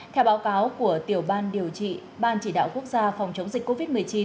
theo báo cáo của tiểu ban điều trị ban chỉ đạo quốc gia phòng chống dịch covid một mươi chín